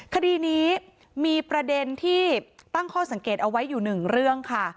คดีนี้มีประเด็นที่ตั้งข้อสังเกตเอาไว้อยู่หนึ่งเรื่องค่ะ